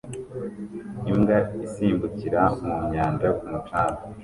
Imbwa isimbukira mu nyanja ku mucanga